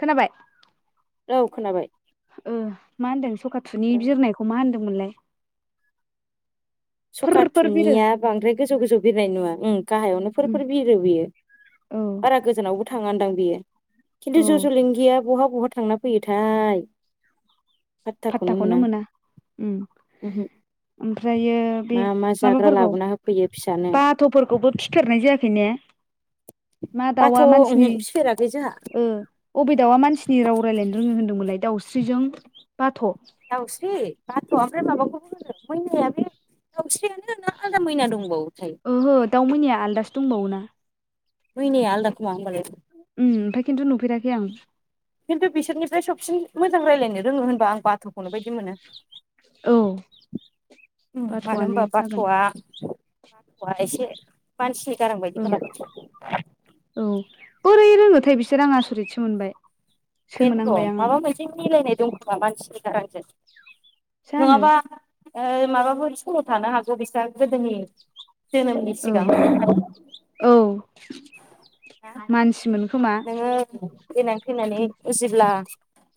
खोनाबाय? औ खोनाबाय ओ मा होनदों सखाथुनि औ बिरनायखौ मा होनदोंमोनलाय? फोर सखा फोर बिरो थुनिया बांद्राय गोजौ गोजौ बिरनाय नुवा ओम गाहायावनो उम फोरफोर बिरो बियो। औ बारा गोजानावबो। थांङादां बियो औ खिन्थु ज ज'लिंगिया बहा बहा थांना फैयोथाय। पाथथाखौनो मोना उमहो ओमफ्रायो। बे मा मा जाग्रा माबाफोरखौ लाबोना होफैयो फिसानो बाथ'फोरखौबो फिथेरनाय जायाखै ने। मा बाथ' दाउआ उमहो मानसिनि फिफेराखै जोंहा ओ अबे दाउआ मानसिनि राव रायजलायनो रोङो होनदोंमोनलाय। दाउस्रिजों। बाथ' दावस्रि बाथ'आ ओमफ्राय माबाखौ। मैनायाया बे दाउस्रियानो ना आलदा मैना दंबावो। ओहो दाउमैनाया आलदासो दंबावो ना। मैनाया आलदा खोमा होमबालाय उम ओमफाय खिनथु नुफेराखै आं। खिन्थु बिसोरनिफ्राय सबसिन मोजां रायलायनो रोङो होनबा। बाथ'खौनो बायदि मोनो। औ मानो बाथ'आनो होमबा जागोन बाथ'आ। एसे मानसिनि गारां औ बायदि खालामो। औ बोरै रोङोथाय बिसोर आंङो आसरितसो मोनबाय। सोमोनांबाय बेनोथ' आङो माबा मोनसे मिलायनाय दंखोमा मानसिनि गारांजों। जानो नङाबा ओ माबाफोर समाव थानो हागौ बिस्रा गोदोनि। जोनोमनि सिगां। मानसि मोन। नोङो फैनानै थैनानै उजिब्ला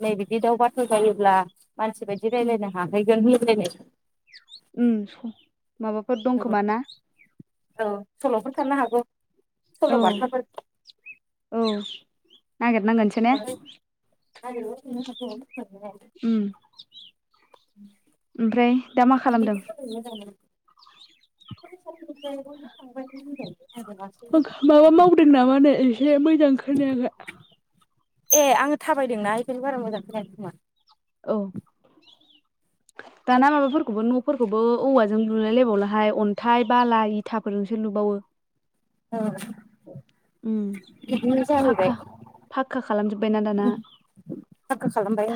नै बिदि दाउ बाथ' जायोब्ला। मानसि बायदि रायलायनो हाहैगोन। [unintelligible] ओम माबाफोर दंखोमा ना? औ सल'फोर थानो हागौ। औ' सल'बाथाफोर औ' नागिरनांगोनसो ने उम [inaudible] ओमफ्राय दा मा खालामदों? फरायसानो थांबायानो होनजायो [inaudible] ओ गासैबो माबा मावदों नामानो एसे मोजांं खोनायाखै ए आङो थाबायदोंना बेखायनो बारा मोजांखौ खोमा औ। दाना माबाफोरखौबो न'फोरखौबो औवाजों लुलायलायबावलाहाय अन्थाइ बाला इथाफोरजोंसो लुबावो औ उम बिदिनो फाक्का जहैबाय फाक्का खालामजोब्बायना दाना फा खालामबाय आ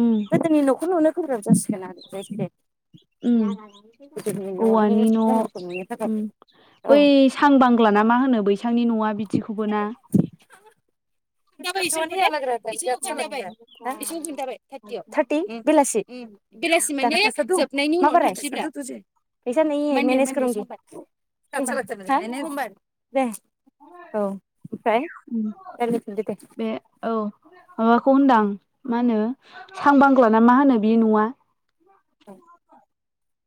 उम गोदोनि न'खौ नुनो गोब्राब जासिग [inaudible] औवानि न' महरखौ नुनो थाखाय औ बै सां बांला ना मा होनो बैसांनि न'आ बिदिखौबो ना [unintelligible] [inaudible] थार्टि बेलासि बेलासि माने जोब [unintelligible] [unintelligible] औ' ओमफ्राय उम दे बे औ आ खौ होनदां मा होनो सां बांग्लाना मा होनो बे न'आ?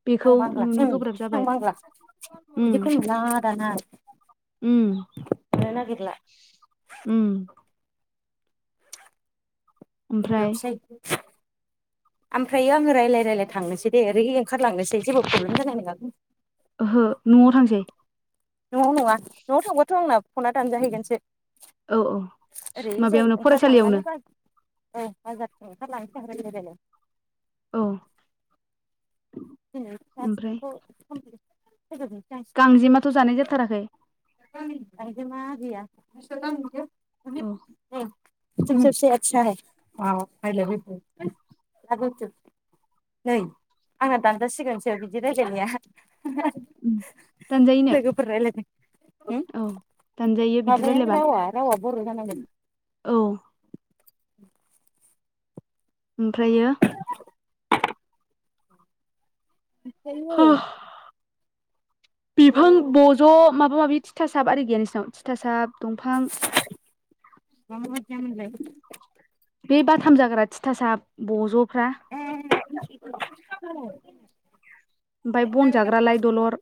बेखौ आं बांला नुनो गोब्राब जाबाय आं बांला उम बिदिखौला जा [inaudible] उम उम ओमफ्राय एब्रावसै ओमफ्राय आङो रायज्लाय रायलाय थांनोसै दे ओरै। ओंखारलांनोसै जेबो प्रब्लेम जानाय नङा ओहो न'आव थांसै न'आव नङा न'आव थांबाथ' आंनाब खना दान जाहैगोनसो औ औ ओरैजाय माबायावनो फरायसालियावनो ओंखारलांनानै ब औ बाजारथिं ओंखारलांसै हागोन लोगोद औ। ओमफ्राय [unintelligible] गांजेमाथ' जानाय [unintelligible] जाथाराखै [unintelligible] सबसे औ आा मला ला [inaudible] नै आंना दानजासिगोनसो बिदि रायजलायनाया उम दानजायोनो लोगोफोर राय्लायदों औ दानजायो बिदि माबाया रायलायबा रावा रावा बर' जानांगोन औ [inaudible] ओमफ्रायो? हो [inaudible] बिफां ब ज' माबा माबि थिथासाब आर गैया नोंसिनाव थिथासाब दंफां? मजानोलाय बे बाथाम जाग्रा थिथासा बज'फ्रा? इ [inaudible] ओमफ्राय बन जाग्रालाय दलर?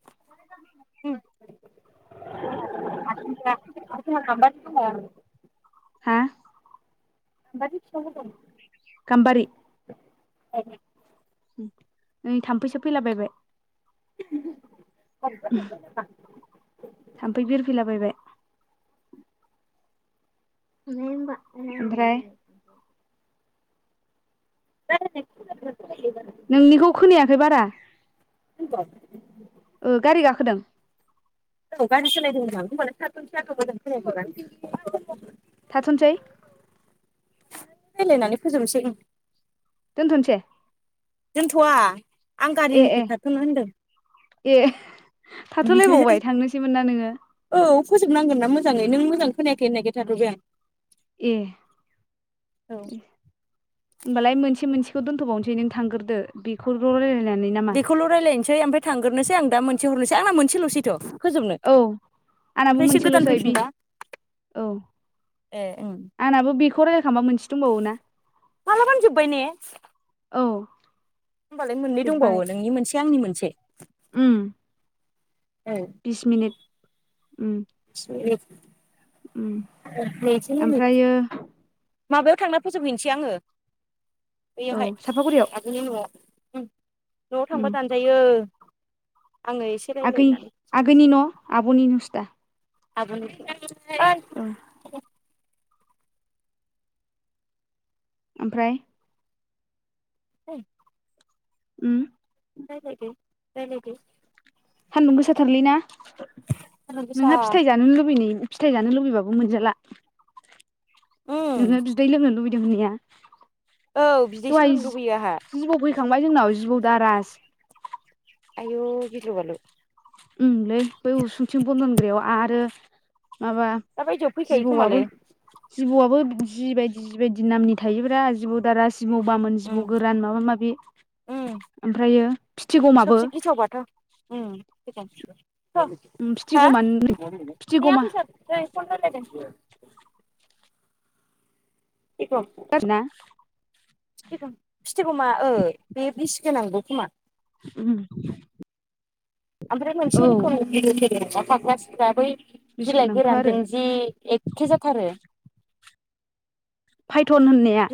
[unintelligible] हा? [unintelligible] गामबारि औ नै थाम्फैसो फैलाबायबाय। [unintelligible] थाम्फै बिरफैलाबायबाय [unintelligible] ओमफ्राय [unintelligible] नोंनिखौ खोनायाखै बारा [unintelligible] ओ गारि गाखोदों औ गारि सलायदोंमोन आं होनबालाय थाथनोसै होनबा थाथ'नोसै रायजलायनानै फोजोबनोसै दोनथ'सै दोनथ'वा आं गारिनिफाय ए थाथनो होनदों ए थाथ'लायबावबाय थांनोसैमोन ना नोङो फोबनांगोन ना मोजाङै नों मोजां खोनायाखै होननायखाय थाथ'बाय आं ए औ होनोमबालाय मोनसे मोनसे बेखौ दोनथ'बावनोसै नों थांग्रदो बेखौल'ल बेखौल' रायज्लायनोसै ओमफ्राय थांग्रोसै आं दा मोनसे हरनोसै आंना मोनसेल'सैथ' फोजोबनो औ आंनाबो ओमफ्रायसो गोदान मोनसेल'सै। फैफिनबा औ ए ओं आंनाबो बेखौ राय माबा मोनसे दंबावो ना मालाबानो जोब्बाय औ। होनबालाय मोननै जोब्बाय दंबावो नोंनि मोनसे आंनि मोनसे। उम। बिस मिनिट उम ए। उम [unintelligible] ओमफ्रायो माबायाव थांना फोजोबहैनोसै आङो। औ बैयावहाय सापागुरियाव आगोलनि न'आव न'आव थांबा उम दानजायो। आङो एसे आगै रायलायनानै फोजोबनोसै आगैनि न' आब'नि नुवासो दा आबनि [unintelligible] औ ओमफ्राय फै उम रायलायदो रायलायदो, सानदुं गोसाथारलै ना सान्दुं गोसा नोंहा फिथाइ जानो लुबैनो फिथायाइ जानो लुबैबाबो मोनजाला उम नोङो बिदै लोंनो लुबै, जोंनिया औ बिदैसो लोंनो लुबैयो आंहा, थांबाय जोंनाव जिबौ दारास, आय' गिदु बालु, उलै बै उसुंथिं बन दोनग्रायाव आरो माबा दा बायदियाव फैखायो खोमालै जिबौआबो जिबौआबो जि बायदि जि बायदि नामनि थायोब्रा जिबौ दारा सिबौ बामोन उम जिबौ गोरान माबा माबि उम ओमफ्रायो फिथिगमाबो, सबसे गिथावबाथ' फिथिगमा [unintelligible] फिथिगमा [unintelligible] फितिगम ना फितिगम फितिगमा ओ बे बिसिगोनांबो खोमा? उम ओमफ्राय मोनसे रोखोम गेदेर गेदेरा फाख्रा सिख्रा बै बिस बिलाइ गोनांथ' आरो गोरानजों जि एखे जाथारो डन होननाया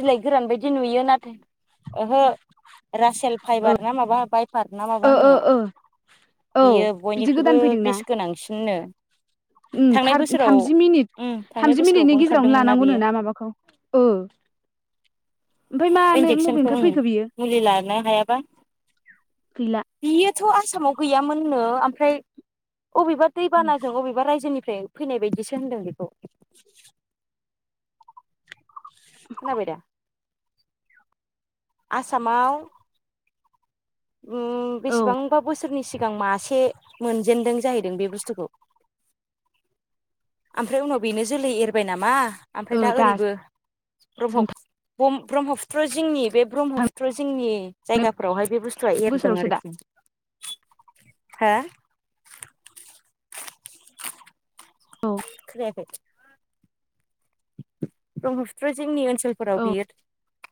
बिदि नुयो नाथाय ओहो रासेल औ फाइबार ना माबा बायफार ना माबा ओ होननाया, ओ औ बियो बिदि बयनिख्रुइबो गोदान फैदोंना बिस गोनांसिननो। उम थांनाय बोसोराव थामजि मिनिट उम थांनाय थामजि मिनिटनि बोसोरावबो गेजेरावनो ओंखारदोंमोन लानांगौनो बियो ना माबाखौ, औ। ओमफ्राय मानो इन्जेकसनखौ मबेनिफ्राय उम फैखो बियो। मुलि लानो हायाबा गैला बेथ' आसामाव गैयामोननो ओमफ्राय अबेबा दैबानाजों बबेबा रायजोनि, ओमफ्राय फैनाय बायदिसो होनदों बेखौ। खोनाबायदा? आसामाव औ बेसेबांबा उम बोसो सोरनि सिगां मासे मोनजेनदों जाहैदों बे बुस्थुखौ, ओमफ्राय उनाव बेनो जोलै एरबाय नामा? ओमफ्राय ओ दा दासो ओरैबो ब्रह्म ब्रह्मपुत्र जोंनि बे, थांनाय ब्रह्मपुत्र जोंनि जायगाफोरावहाय बे बुस्तुआ एरदों बोसोरावसो दा आरोखि। हा? औ खोनायाखै, ब्रह्मपुत्र जोंनि ओन ओनसोलफोराव औ बियो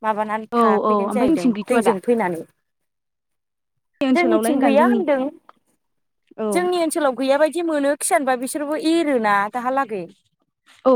माबानानै औ औ थाफैदों ओमफ्राय जाहैदों जोंथिं गैथ'वा दा दैजों फैनानै, ओनसोलावलाय जोंनिथिं होनदां गैया जोंनि होनदों औ जोंनि ओनसोलाव गैया बायदि मोनो। खिसानबा बिसोरबो एरोना दाहालागै। औ